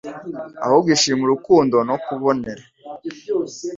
Ahubwo ishima urukundo no kubonera.